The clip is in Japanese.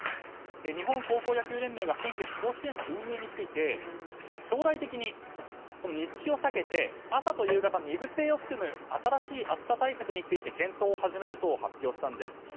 日本高校野球連盟が先月、甲子園の運営について将来的に日中を避けて朝と夕方２部制を含む新しい暑さ対策について検討を始めると発表したんです。